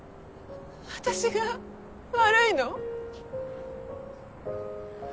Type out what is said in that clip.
私が悪いの？